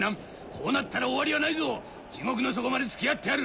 こうなったら終わりはないぞ地獄の底まで付き合ってやる！